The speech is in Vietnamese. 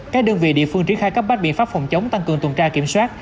các đơn vị địa phương triển khai các bác biện pháp phòng chống tăng cường tuần tra kiểm soát